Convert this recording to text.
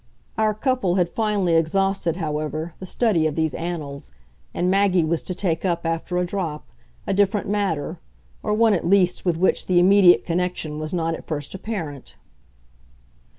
Our couple had finally exhausted, however, the study of these annals, and Maggie was to take up, after a drop, a different matter, or one at least with which the immediate connection was not at first apparent.